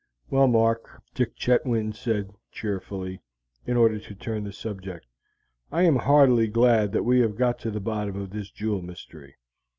"Well, Mark," Dick Chetwynd said cheerfully, in order to turn the subject, "I am heartily glad that we have got to the bottom of this jewel mystery.